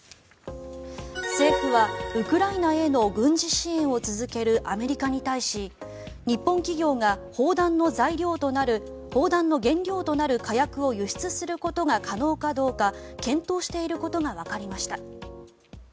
政府はウクライナへの軍事支援を続けるアメリカに対し日本企業が砲弾の原料となる火薬を輸出することが可能かどうか検討していることがわかりました。